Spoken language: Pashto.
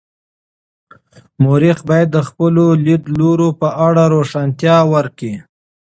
مورخ باید د خپلو لیدلورو په اړه روښانتیا ورکړي.